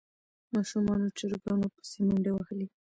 ماشومانو چرګانو پسې منډې وهلې.